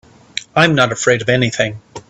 I'm not afraid of anything.